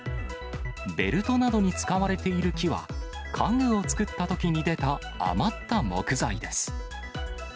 ベルトなどに使われている木は、家具を作ったときに出た余った木材です。